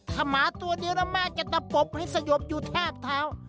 ถ้าหมาตัวเดียวแล้วแม่จะตะปบให้สยบอยู่แทบเท้า